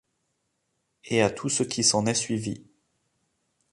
Et à tout ce qui s’en est suivi.